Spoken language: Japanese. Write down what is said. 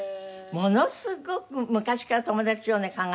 ものすごく昔から友達よね考えたら。